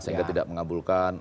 sehingga tidak mengabulkan